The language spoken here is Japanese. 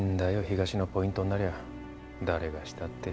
東のポイントになりゃ誰がしたって。